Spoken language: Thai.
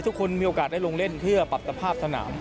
มีโอกาสได้ลงเล่นเพื่อปรับสภาพสนาม